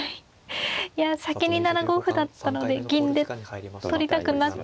いや先に７五歩だったので銀で取りたくなってしまうんですが。